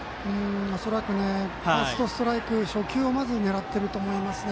恐らくファーストストライク初球をまず狙ってると思いますね。